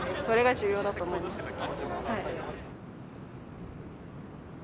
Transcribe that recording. それが重要だと思います。